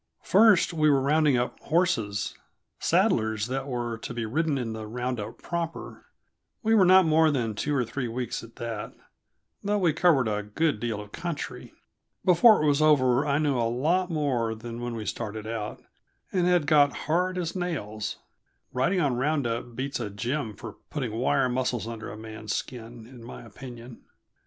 First, we were rounding up horses saddlers that were to be ridden in the round up proper. We were not more than two or three weeks at that, though we covered a good deal of country. Before it was over I knew a lot more than when we started out, and had got hard as nails; riding on round up beats a gym for putting wire muscles under a man's skin, in my opinion.